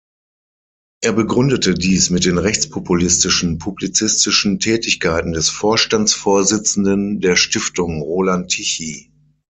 Er begründete dies mit den rechtspopulistischen publizistischen Tätigkeiten des Vorstandsvorsitzenden der Stiftung, Roland Tichy.